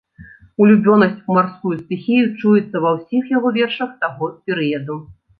Улюбёнасць у марскую стыхію чуецца ва ўсіх яго вершах таго перыяду.